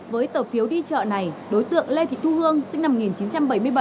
với tờ phiếu đi chợ này đối tượng lê thị thu hương sinh năm một nghìn chín trăm bảy mươi bảy